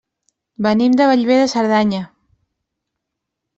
Venim de Bellver de Cerdanya.